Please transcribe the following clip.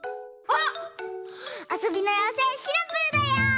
あそびのようせいシナプーだよ！